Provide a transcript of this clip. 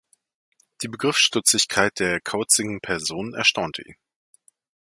Die Begriffsstutzigkeit der kauzigen Person erstaunte ihn.